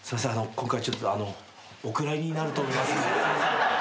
今回ちょっとお蔵入りになると思いますんですいません。